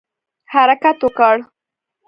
حرکت وکړ.